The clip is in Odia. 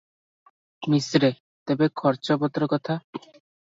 ମିଶ୍ରେ- ତେବେ ଖର୍ଚ୍ଚପତ୍ର କଥା ।